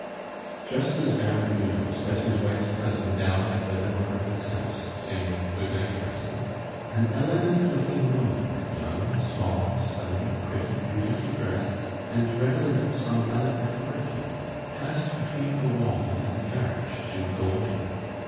Just as Baron Hulot set his wife's cousin down at the door of this house, saying, "Good night, Cousin," an elegant looking woman, young, small, slender, pretty, beautifully dressed, and redolent of some delicate perfume, passed between the wall and the carriage to go in.